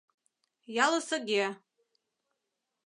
Ялысыге